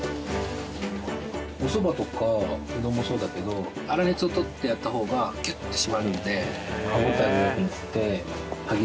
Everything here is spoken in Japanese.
おそばとかうどんもそうだけど粗熱を取ってやった方がキュッと締まるので歯応えが良くなって歯切れも良くなる。